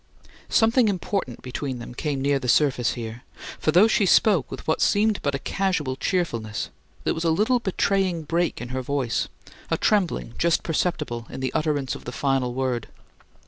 Something important between them came near the surface here, for though she spoke with what seemed but a casual cheerfulness, there was a little betraying break in her voice, a trembling just perceptible in the utterance of the final word.